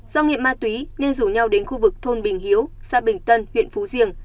do nghiệp ma túy nên rủ nhau đến khu vực thôn bình hiếu sa bình tân huyện phú diềng